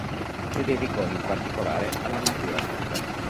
Si dedicò in particolare alla natura morta.